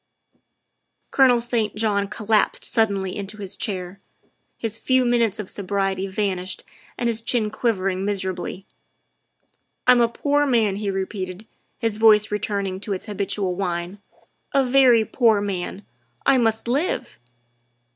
Colonel St. John collapsed suddenly into his chair, his few minutes of sobriety vanished and his chin quivering miserably. " I'm a poor man," he repeated, his voice returning to its habitual whine, " a very poor man. I must live."